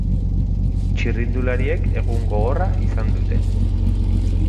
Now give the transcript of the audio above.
Txirrindulariek egun gogorra izan dute.